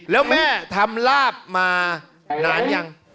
แล้วแม่ทำลาบมานานยัง